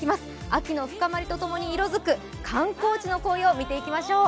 秋の深まりと共に色づく観光地の紅葉、見ていきましょう。